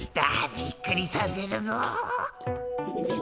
びっくりさせるぞ。